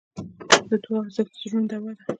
د دعا ارزښت د زړونو دوا ده.